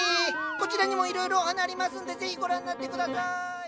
こちらにもいろいろお花ありますんで是非ご覧になって下さい！